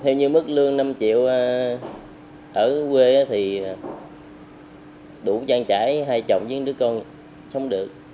theo như mức lương năm triệu ở quê thì đủ trang trải hai chồng với đứa con sống được